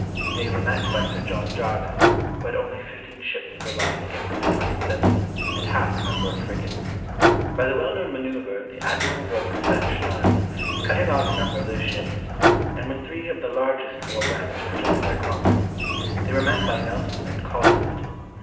They were met by Sir John Jarvis, who had only fifteen ships of the line against their twenty seven, and half the number of frigates. By the well known manœuvre the Admiral broke the Spanish line, cutting off a number of their ships, and when three of the largest wore round to rejoin their comrades, they were met by Nelson and Collingwood.